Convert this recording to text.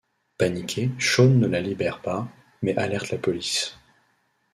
Paniqué, Sean ne la libère pas mais alerte la police.